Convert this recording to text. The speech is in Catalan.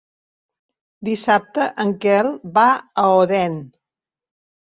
Dissabte en Quel va a Odèn.